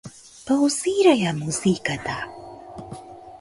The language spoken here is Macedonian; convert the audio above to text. Паузирај ја музиката!